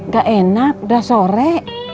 gak enak udah sore